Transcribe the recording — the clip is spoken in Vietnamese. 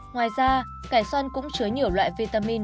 ngoài ra cải xoăn cũng chứa nhiều loại vitamin